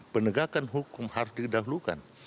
penegakan hukum harus didahulukan